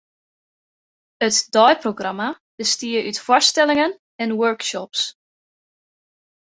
It deiprogramma bestie út foarstellingen en workshops.